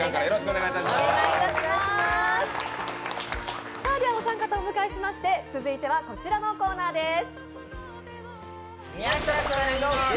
お三方をお迎えしまして、続いてはこちらのコーナーです。